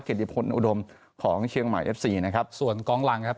ติพลอุดมของเชียงใหม่เอฟซีนะครับส่วนกองหลังครับ